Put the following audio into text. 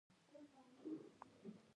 بکتریا د بدن دفاع کې مهم رول لري